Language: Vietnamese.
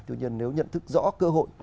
tuy nhiên nếu nhận thức rõ cơ hội